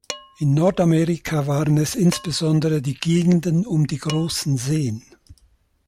In Nordamerika waren es insbesondere die Gegenden um die großen Seen.